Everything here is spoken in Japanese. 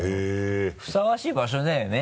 ふさわしい場所だよね